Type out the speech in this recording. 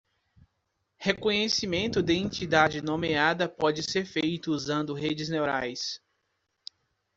Reconhecimento de Entidade Nomeada pode ser feito usando Redes Neurais.